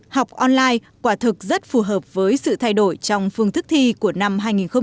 học online quả thực rất phù hợp với sự thay đổi trong phương thức thi của năm hai nghìn hai mươi